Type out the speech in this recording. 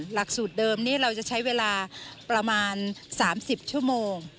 หลักสูตรเดิมนี้เราจะใช้เวลาประมาณ๓๐ชั่วโมง